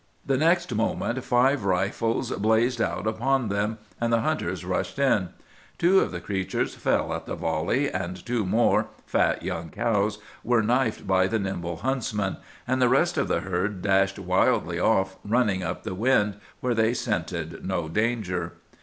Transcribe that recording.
"The next moment five rifles blazed out upon them, and the hunters rushed in. Two of the creatures fell at the volley, and two more, fat young cows, were knifed by the nimble huntsmen; and the rest of the herd dashed wildly off, running up the wind, where they scented no danger.